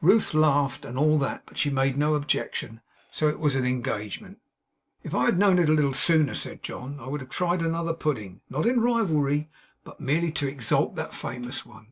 Ruth laughed, and all that, but she made no objection; so it was an engagement. 'If I had known it a little sooner,' said John, 'I would have tried another pudding. Not in rivalry; but merely to exalt that famous one.